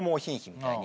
みたいな。